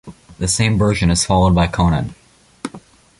The same version is followed by Conon.